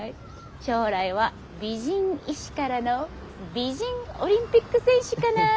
将来は美人医師からの美人オリンピック選手かな？